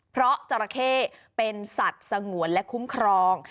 เพราะจราเข้เป็นสัตว์สงวนและคุ้มครอง